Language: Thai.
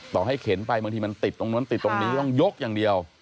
ต่อให้เข็นไปบางทีมันติดตรงนู้นติดตรงนี้ต้องยกอย่างเดียว